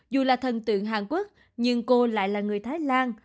dù là thần tượng hàn quốc nhưng cô lại là người thái lan